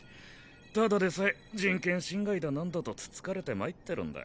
ただでさえ人権侵害だなんだとつつかれて参ってるんだ。